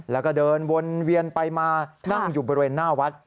แล้วก็เดินวนเวียนไปมานั่งอยู่บริเวณหน้าวัด